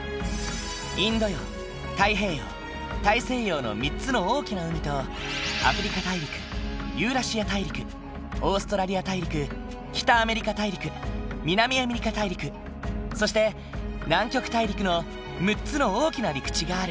インド洋太平洋大西洋の３つの大きな海とアフリカ大陸ユーラシア大陸オーストラリア大陸北アメリカ大陸南アメリカ大陸そして南極大陸の６つの大きな陸地がある。